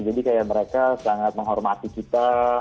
jadi kayak mereka sangat menghormati kita